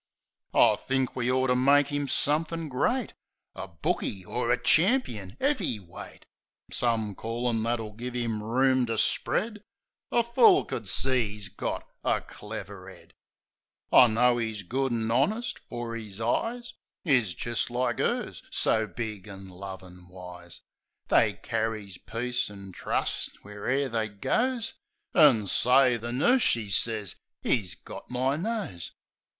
THE KID 107 I think we ort to make 'im something great — A bookie, or a champeen 'eavy weight : Some callin' that'll give 'im room to spread. A fool could see 'e's got a clever 'ead. I knows 'e's good an' honest; for 'is eyes Is jist like 'ers; so big an' lovin' wise; They carries peace an' trust where e'er they goes. An', say, the nurse she sez 'e's got my nose!